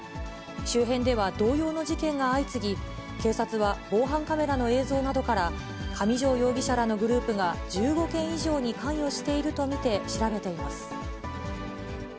周辺では同様の事件が相次ぎ、警察は防犯カメラの映像などから、上条容疑者らのグループが１５件以上に関与していると見て調べています。